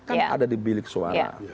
kan ada di bilik suara